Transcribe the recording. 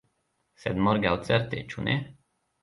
Sed morgaŭ certe, ĉu ne?